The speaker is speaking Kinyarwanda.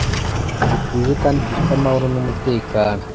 gituje kandi gifite amahoro n’umutekano